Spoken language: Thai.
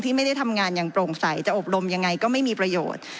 ไม่ได้ทำงานอย่างโปร่งใสจะอบรมยังไงก็ไม่มีประโยชน์